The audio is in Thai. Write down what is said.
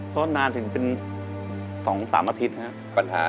ก็นานถึงเป็น๒๓อาทิตย์นะครับ